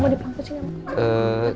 enggak bisa diruck eruck